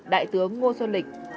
đại tướng ngô xuân lịch